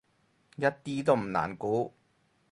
一啲都唔難估